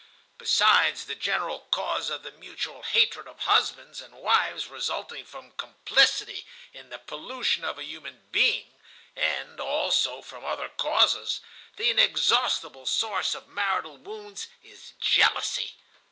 Besides the general cause of the mutual hatred of husbands and wives resulting from complicity in the pollution of a human being, and also from other causes, the inexhaustible source of marital wounds is jealousy.